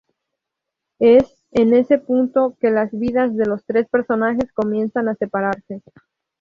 Es en este punto que las vidas de los tres personajes comienzan a separarse.